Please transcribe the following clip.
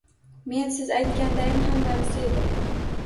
Men siz aytgandayin hammani sevdim